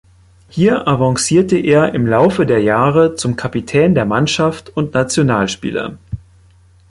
Hier avancierte er im Laufe der Jahre zum Kapitän der Mannschaft und Nationalspieler.